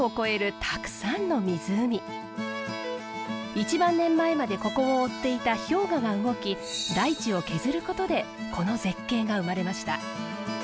１万年前までここを覆っていた氷河が動き大地を削ることでこの絶景が生まれました。